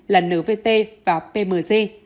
là nvt và pmz